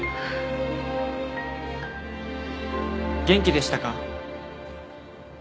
元気でしたか？